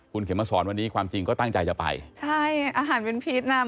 คุณเข็มมาสอนวันนี้ความจริงก็ตั้งใจจะไปใช่อาหารเป็นพีชนะ